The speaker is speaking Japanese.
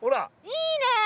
いいねえ！